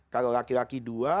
kalau laki laki dua